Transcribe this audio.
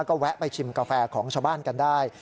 ก็แวะไปชิมกาแฟของชาวบ้านกันได้